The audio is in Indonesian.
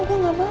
gue gak mau